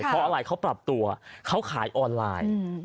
เพราะอะไรเขาปรับตัวเขาขายออนไลน์